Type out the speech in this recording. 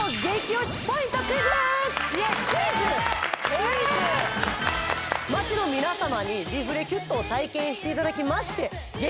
クイズ街の皆様にリフレキュットを体験していただきまして激